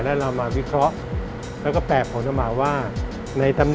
แล้วเรามาวิเคราะห์